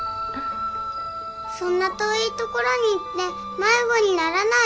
そんな遠い所に行って迷子にならない？